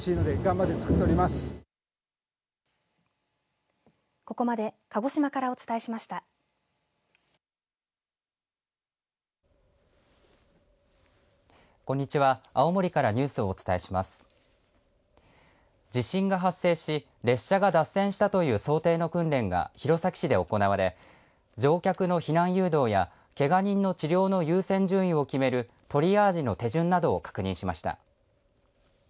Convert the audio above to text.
地震が発生し列車が脱線したという想定の訓練が弘前市で行われ乗客の避難誘導やけが人の治療の優先順位を決めるトリアージの手順などを確認しました。